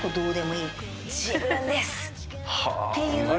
「自分です」っていう感覚。